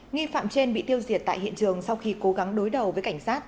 nghi phạm trên bị tiêu diệt tại hiện trường sau khi cố gắng đối đầu với cảnh sát